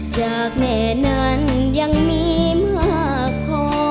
จากแม่นั้นยังมีมากพอ